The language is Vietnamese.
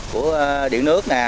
của điện nước nè